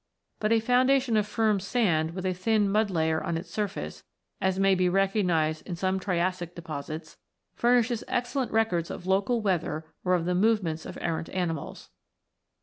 But a foundation of firm sand with a thin mud layer on its surface, as may be recognised in some Triassic deposits, furnishes excellent records of local weather or of the movements of errant animals.